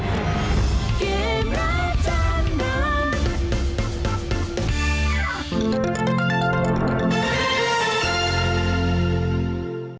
โปรดติดตามตอนต่อไป